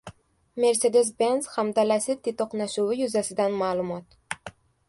"Mercedes-Benz" hamda "Lacetti" to‘qnashuvi yuzasidan ma’lumot